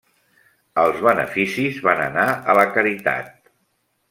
Els beneficis van anar a la caritat.